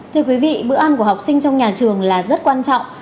thưa quý vị bữa ăn của học sinh trong nhà trường là rất quan trọng